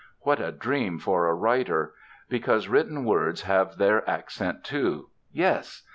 What a dream for a writer! Because written words have their accent, too. Yes!